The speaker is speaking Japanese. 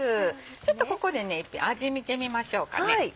ちょっとここで味見てみましょうかね。